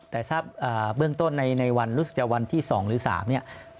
แต่ทราบเบื้องต้นในวันรู้สึกจะวันที่๒หรือ๓เนี่ย